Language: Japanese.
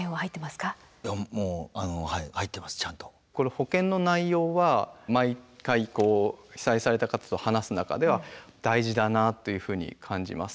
保険の内容は毎回被災された方と話す中では大事だなというふうに感じます。